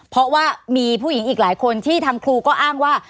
เพราะว่ามีผู้หญิงอีกหลายคนที่ทางครูก็อ้างว่า